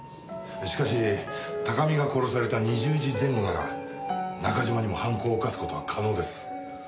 しかし高見が殺された２０時前後なら中島にも犯行を犯す事は可能です。